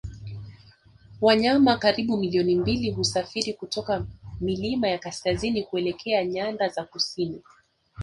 Wanyama karibu milioni mbili husafiri kutoka milima ya kaskazini kuelekea nyanda za kusini